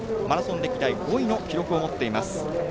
マラソン歴代５位の記録を持っています。